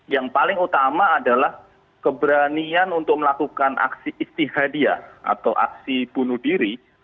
yang paling utama adalah keberanian untuk melakukan aksi istihadiah atau aksi bunuh diri